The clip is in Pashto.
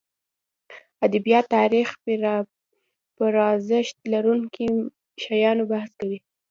ادبیات تاریخ پرارزښت لرونکو شیانو بحث کوي.